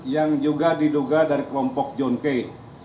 yang juga diduga dari kelompok john kay